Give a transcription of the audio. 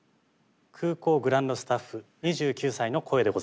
空港グランドスタッフ２９歳の声でございます。